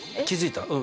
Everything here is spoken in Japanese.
気付いた？